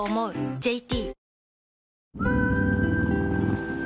ＪＴ